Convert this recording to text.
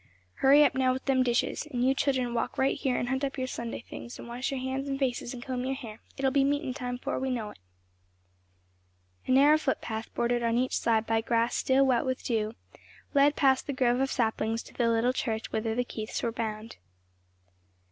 "Hurry up now with them dishes. And you children walk right in here and hunt up your Sunday things, and wash your hands and faces and comb your hair; it'll be meetin' time 'fore we know it." A narrow foot path, bordered on each side by grass still wet with dew, led past the grove of saplings to the little church whither the Keiths were bound.